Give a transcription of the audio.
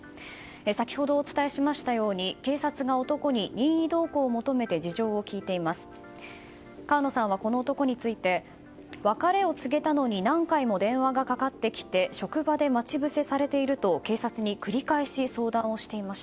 先ほど、お伝えしましたように警察が男に任意同行を求めて事情を聴いています。